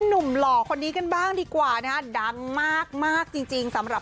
หล่อคนนี้กันบ้างดีกว่านะฮะดังมากมากจริงจริงสำหรับ